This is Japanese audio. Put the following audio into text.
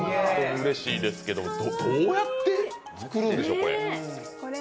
うれしいですけどどうやって作るんでしょう、これ。